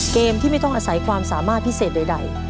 เกมที่ไม่ต้องอาศัยความสามารถพิเศษใด